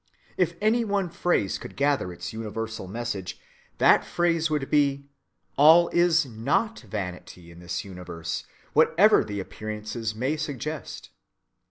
If any one phrase could gather its universal message, that phrase would be, "All is not vanity in this Universe, whatever the appearances may suggest."